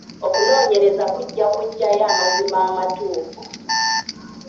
Okunoonyereza kujja kuggyayo amazima amatuufu.